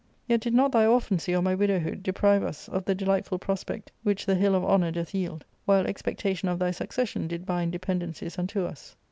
Yet did not thy orphancy, or my widowhood, deprive us of the delightful prospect which the hill of honour doth yield, while expectation of thy succession did bind dependencies unto us.